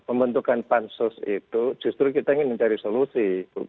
pembentukan pansus itu justru kita ingin mencari solusi